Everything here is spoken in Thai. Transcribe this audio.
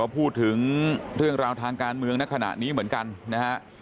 พูดถึงเรื่องราวทางการเมืองในขณะนี้เหมือนกันนะฮะ